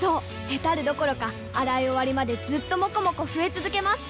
ヘタるどころか洗い終わりまでずっともこもこ増え続けます！